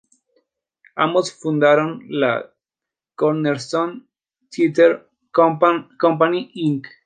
Ambos fundaron la Cornerstone Theater Company Inc.